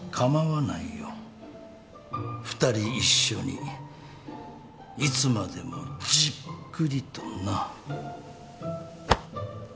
２人一緒にいつまでもじっくりとな。